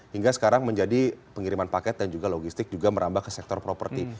hingga sekarang menjadi pengiriman paket dan juga logistik juga merambah ke sektor properti